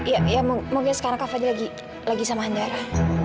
ya ya mungkin sekarang kak fadli lagi lagi sama andara